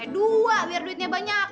dua biar duitnya banyak